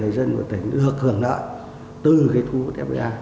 người dân của tỉnh được hưởng nợ từ cái thu hút fdi